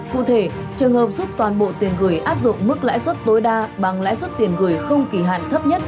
cụ thể trường hợp rút toàn bộ tiền gửi áp dụng mức lãi suất tối đa bằng lãi suất tiền gửi không kỳ hạn thấp nhất